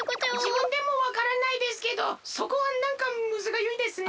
じぶんでもわからないですけどそこはなんかむずがゆいですね。